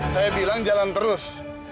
saya bilang jalan terus